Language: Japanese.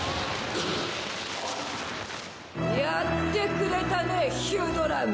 やってくれたねヒュドラム！